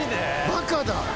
バカだ。